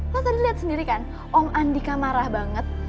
lo tadi liat sendiri kan om andika marah banget